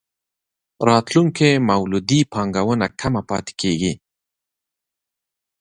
راتلونکې مولدې پانګونه کمه پاتې کېږي.